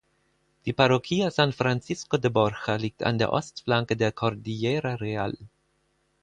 Die Parroquia San Francisco de Borja liegt an der Ostflanke der Cordillera Real.